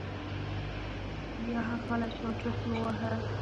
بیا هغه غلی شو او چرت یې وواهه.